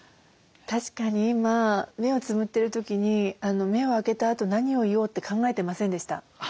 確かに今目をつむってる時に目を開けたあと何を言おうって考えてませんでした。